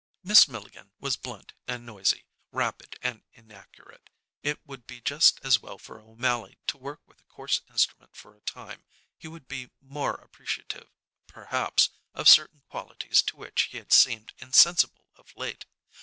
Miss Milligan was blunt and noisy, rapid and inaccurate. It would be just as well for O'Mally to work with a coarse instrument for a time; he would be more appreciative, perhaps, of certain qualities to which he had seemed insensible of late.